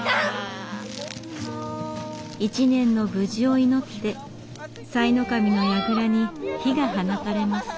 一年の無事を祈って賽の神のやぐらに火が放たれます。